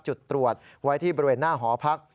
จุดตรวจไว้ที่บริเวณหน้าหอพัก